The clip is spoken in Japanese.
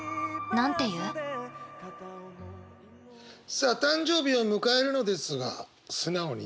さあ誕生日を迎えるのですが素直に喜べない。